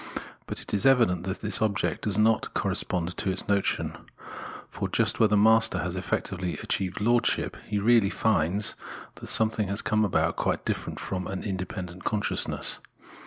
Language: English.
But it is evident that this object does not correspond to its notion ; for, just where the master has effectively achieved lordship, he really finds that something has come about quite different from an independent consciousness.